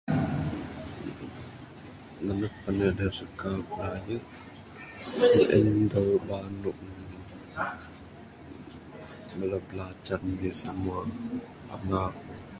Nanek pane da suka ku raye sien dawe banung bala blacan anih simua, anang.